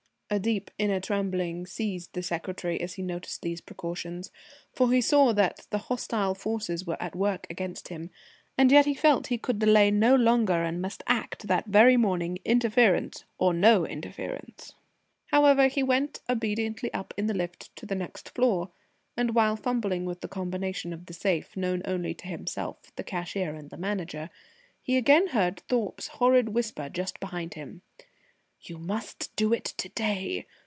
A deep inner trembling seized the secretary as he noticed these precautions, for he saw that the hostile forces were at work against him, and yet he felt he could delay no longer and must act that very morning, interference or no interference. However, he went obediently up in the lift to the next floor, and while fumbling with the combination of the safe, known only to himself, the cashier, and the Manager, he again heard Thorpe's horrid whisper just behind him: "You must do it to day!